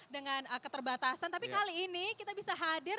dengan keterbatasan tapi kali ini kita bisa hadir